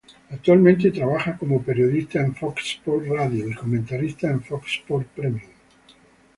Actualmente trabaja como periodista en Fox Sports Radio y comentarista en Fox Sports Premium.